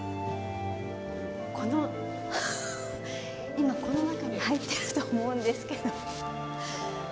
今、この中に入ってると思うんですけど。